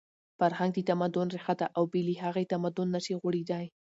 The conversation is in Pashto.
فرهنګ د تمدن ریښه ده او بې له هغې تمدن نشي غوړېدی.